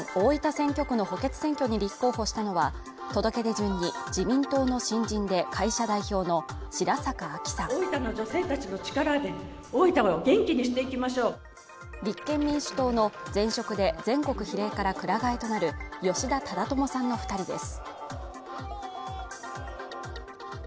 選挙区の補欠選挙に立候補したのは届け出順に自民党の新人で会社代表の白坂亜紀さん立憲民主党の前職で全国比例からくら替えとなる吉田忠智さんの２人です。